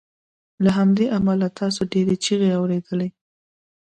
له همدې امله تاسو ډیرې چیغې اوریدې